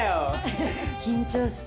緊張した。